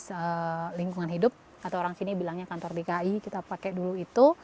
kita lihat orang orang yang hargai para pekerjaan hidup atau orang sini bilangnya kantor dki kita pakai dulu itu